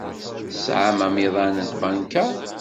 Tesɛam amiḍan n tbanka?